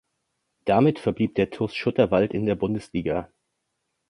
Damit verblieb der TuS Schutterwald in der Bundesliga.